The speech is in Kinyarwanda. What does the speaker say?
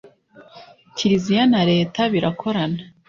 Kiliziya na leta birakorana